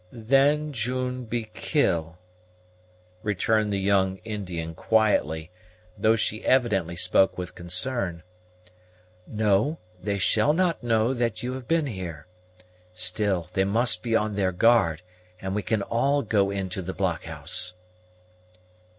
"Then June be kill," returned the young Indian quietly, though she evidently spoke with concern. "No; they shall not know that you have been here. Still, they must be on their guard, and we can all go into the blockhouse."